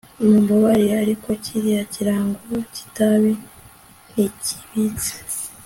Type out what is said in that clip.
Mumbabarire ariko kiriya kirango cyitabi ntikibitse